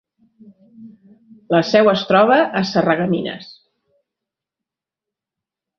La seu es troba a Sarreguemines.